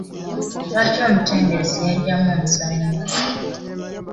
Lwaki omutendesi yaggyamu omuzannyi oyo?